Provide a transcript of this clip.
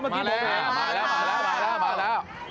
มาแล้วมาแล้วมาแล้ว